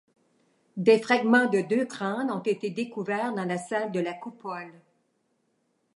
Des fragments de deux crânes ont été découverts dans la salle de la coupole.